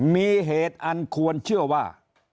มีเหตุอันควรเชื่อว่า